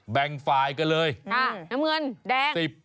แบ่งฝ่ายกันเลยน้ำเงินแดง๑๐บาท